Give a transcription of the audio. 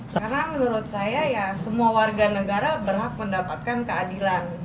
karena menurut saya ya semua warga negara berhak mendapatkan keadilan